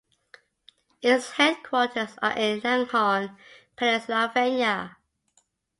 Its headquarters are in Langhorne, Pennsylvania.